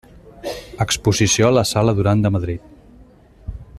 Exposició a la sala Duran de Madrid.